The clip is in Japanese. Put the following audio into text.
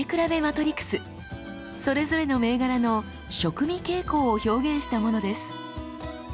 それぞれの銘柄の食味傾向を表現したものです。